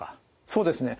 そうですね。